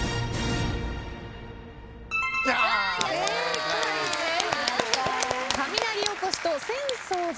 正解です。